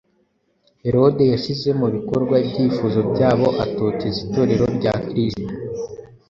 Herode yashyize mu bikorwa ibyifuzo byabo atoteza Itorero rya Kristo.